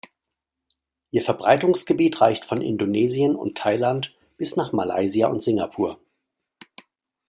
Ihr Verbreitungsgebiet reicht von Indonesien und Thailand bis nach Malaysia und Singapur.